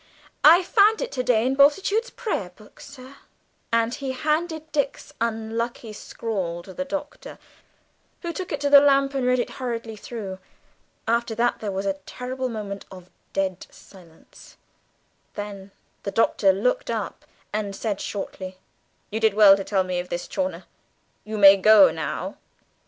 I found it to day in Bultitude's prayerbook, sir." And he handed Dick's unlucky scrawl to the Doctor, who took it to the lamp and read it hurriedly through. After that there was a terrible moment of dead silence; then the Doctor looked up and said shortly, "You did well to tell me of this, Chawner; you may go now."